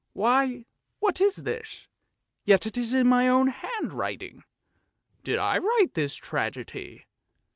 " Why, what is this, yet it is in my own handwriting. Did I write this tragedy?